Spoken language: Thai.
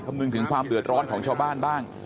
นึกถึงความเดือดร้อนของชาวบ้านบ้าง